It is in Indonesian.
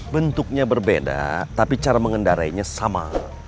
bentuknya berbeda tapi cara mengendarainya sama